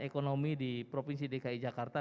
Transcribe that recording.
ekonomi di provinsi dki jakarta